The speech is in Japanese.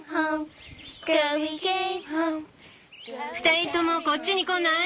２人ともこっちに来ない？